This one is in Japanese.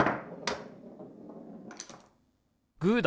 グーだ！